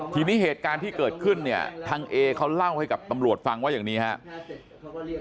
ทีนี้เหตุการณ์ที่เกิดขึ้นเนี่ยทางเอเขาเล่าให้กับตำรวจฟังว่าอย่างนี้ครับ